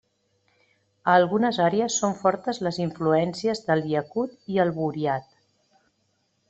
A algunes àrees són fortes les influències del iacut i el buriat.